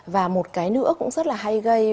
và một cái nữa cũng rất là hay gây